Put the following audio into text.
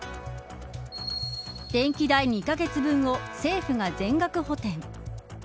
電気代２カ月分を政府が全額補填。